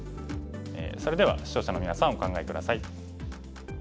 それでは視聴者のみなさんお考え下さい。